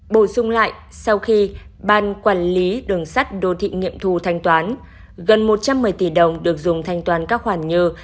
bổ sung lại sau khi ban quản lý đường sắt đô thị nghiệm thù thanh toán gần một trăm một mươi tỷ đồng được dùng thanh toán các khoản như